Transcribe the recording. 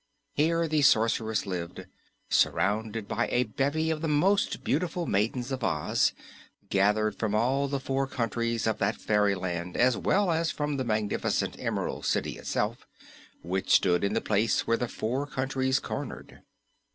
Here the Sorceress lived, surrounded by a bevy of the most beautiful maidens of Oz, gathered from all the four countries of that fairyland as well as from the magnificent Emerald City itself, which stood in the place where the four countries cornered.